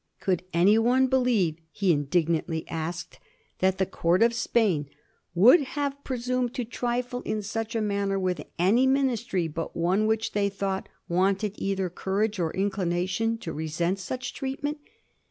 Could any one be lieve, he indignantly asked, that the Court of Spain " would have presumed to trifle in such a manner with any ministry but one which they thought wanted either courage or incli nation to resent such treatment